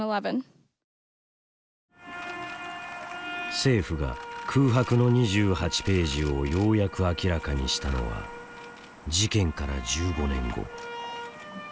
政府が「空白の２８ページ」をようやく明らかにしたのは事件から１５年後。